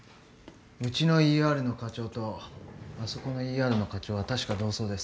うちのＥＲの科長とあそこのＥＲの科長は確か同窓です。